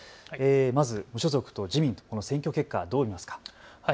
まず無所属と自民とこの選挙結果、どう見ますか。